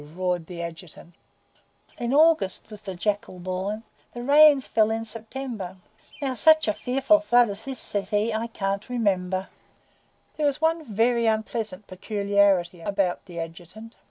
roared the Adjutant. "In August was the Jackal born; The Rains fell in September; 'Now such a fearful flood as this,' Says he, 'I can't remember!'" There is one very unpleasant peculiarity about the Adjutant.